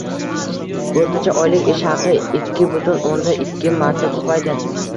O‘rtacha oylik ish haqi ikki butun o'nda ikki marta ko‘paydi.